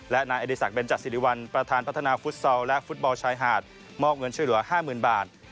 และนายอดีศักดิเบนจัดสิริวัลประธานพัฒนาฟุตซอลและฟุตบอลชายหาดมอบเงินช่วยเหลือ๕๐๐๐บาท